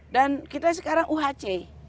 dan kita sekarang uhc